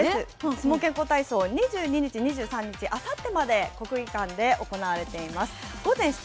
相撲健康体操、２２日、２３日あさってまで、国技館で行われています。